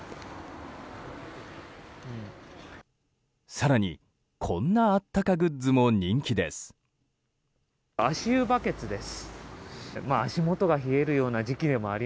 更に、こんな温かグッズも人気です。